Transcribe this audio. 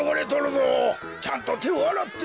ちゃんとてをあらって。